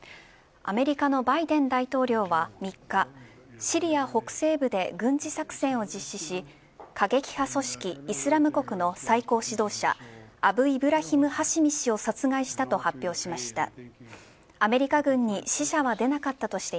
アメリカのバイデン大統領は３日シリア北西部で軍事作戦を実施し過激派組織イスラム国の最高指導者アブイブラヒム・ハシミ氏を殺害したと発表しました。